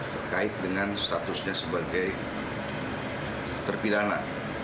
terkait dengan statusnya sebagai terpidana